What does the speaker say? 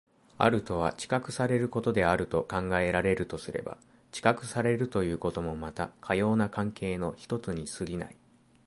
あるとは知覚されることであると考えられるとすれば、知覚されるということもまたかような関係の一つに過ぎない。